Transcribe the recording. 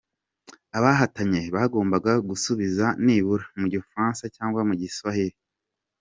Abahatanye bagombaga gusubiza nibura mu gifaransa cyangwa igiswahili.